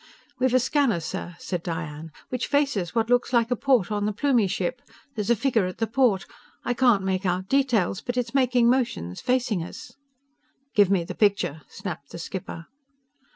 "We've a scanner, sir," said Diane, "which faces what looks like a port in the Plumie ship. There's a figure at the port. I can't make out details, but it is making motions, facing us." "Give me the picture!" snapped the skipper.